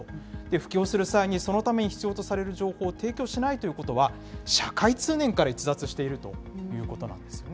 布教する際に、そのために必要とされる情報を提供しないということは、社会通念から逸脱しているということなんですね。